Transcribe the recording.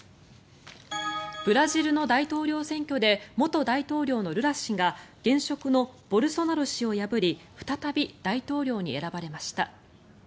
ブラジルの大統領選挙で元大統領のルラ氏が現職のボルソナロ氏を破り再び大統領に選ばれました。